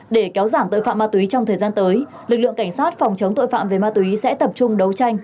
để kéo giảm tội phạm ma túy trong thời gian tới lực lượng cảnh sát phòng chống tội phạm về ma túy sẽ tập trung đấu tranh